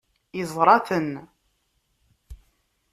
Yeẓra-ten.